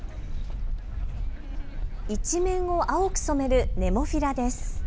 一面を青く染めるネモフィラです。